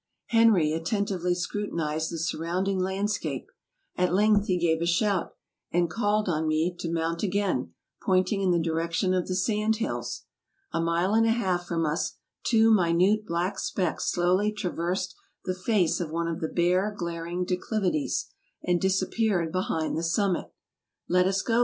Henry attentively scrutinized the surrounding land scape ; at length he gave a shout, and called on me to mount again, pointing in the direction of the sand hills. A mile and a half from us two minute black specks slowly traversed the face of one of the bare, glaring declivities, and disappeared behind the summit. "Let us go!